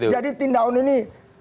jadi hitin daun ini